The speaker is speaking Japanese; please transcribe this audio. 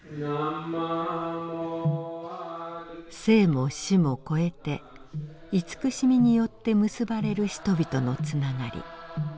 生も死も超えて慈しみによって結ばれる人々のつながり。